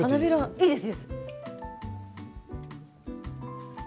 いいんです。